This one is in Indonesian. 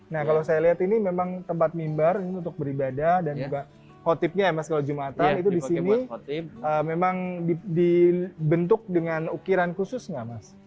nah kalau saya lihat ini memang tempat mimbar ini untuk beribadah dan juga khotibnya ya mas kalau jumatan itu di sini memang dibentuk dengan ukiran khusus nggak mas